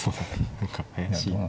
何か怪しい。